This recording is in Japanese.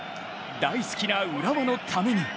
大好きな浦和のために。